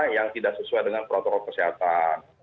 yang tidak sesuai dengan protokol kesehatan